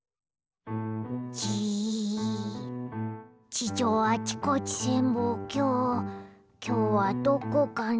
地上あちこち潜望鏡きょうはどこかな？